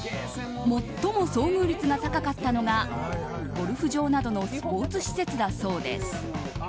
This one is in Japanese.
最も遭遇率が高かったのがゴルフ場などのスポーツ施設だそうです。